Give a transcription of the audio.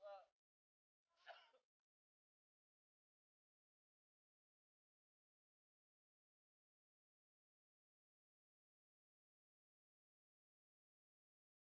kamu kok ngejurit sih